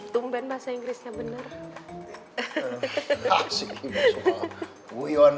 tumpen bahasa inggrisnya bener